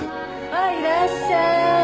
あらいらっしゃい。